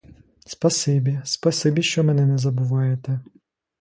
Спасибі, спасибі, що мене не забуваєте.